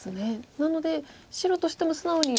なので白としても素直に。